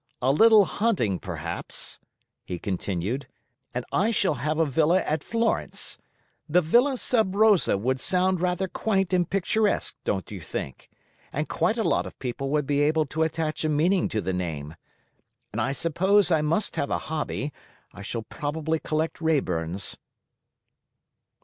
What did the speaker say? "A little hunting, perhaps," he continued, "and I shall have a villa at Florence. The Villa Sub Rosa would sound rather quaint and picturesque, don't you think, and quite a lot of people would be able to attach a meaning to the name. And I suppose I must have a hobby; I shall probably collect Raeburns."